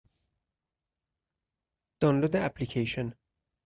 دانلود اپلیکیشن